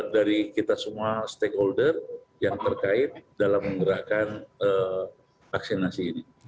dari kita semua stakeholder yang terkait dalam menggerakkan vaksinasi ini